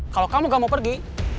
kalau kamu gak mau pergi